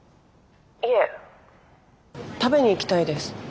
いえ食べに行きたいです。